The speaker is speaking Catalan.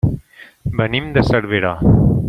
Venim de Cervera.